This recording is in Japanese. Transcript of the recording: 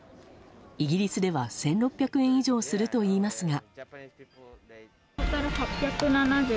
イギリスでは１６００円以上するといいますが。